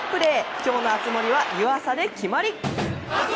今日の熱盛は湯浅で決まり。